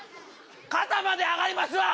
肩まで上がりますわ。